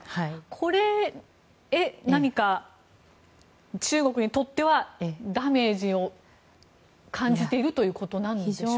これは何か中国にとってはダメージを感じているということなんでしょうか。